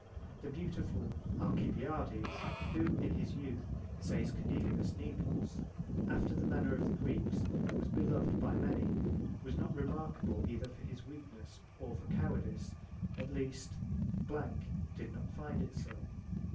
T he beautiful Alcibiades, who in his youth, says Cornelius Nepos, after the manner of the Greeks, was beloved by many, was not remarkable either for weakness or for cowardice: at least, [blank] did not find it so.